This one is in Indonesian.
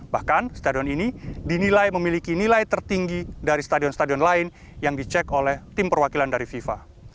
bahkan stadion ini dinilai memiliki nilai tertinggi dari stadion stadion lain yang dicek oleh tim perwakilan dari fifa